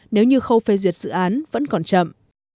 nếu như khâu phê duyệt dự án vẫn còn chậm